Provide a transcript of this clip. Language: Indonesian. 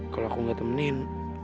kalo aku gak temenin